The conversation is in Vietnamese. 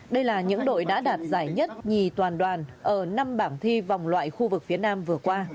đây là những đội đã đạt giải nhất nhì toàn đoàn ở năm bảng thi vòng loại khu vực phía nam vừa qua